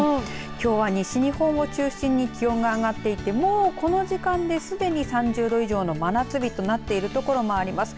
きょうは西日本を中心に気温が上がっていてもうこの時間で、すでに３０度以上の真夏日となっている所もあります。